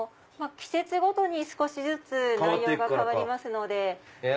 季節ごとに少しずつ内容が変わりますので。